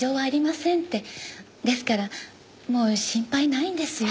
ですからもう心配ないんですよ。